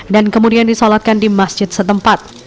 dan kemudian disolatkan di masjid setempat